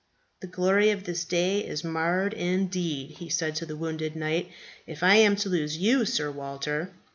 "The glory of this day is marred indeed," he said to the wounded knight, "if I am to lose you, Sir Walter."